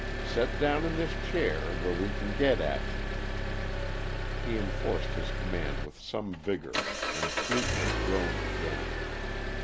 Set down in this chair, where we can get at you." He enforced his command with some vigor, and Fleetwood groaned again.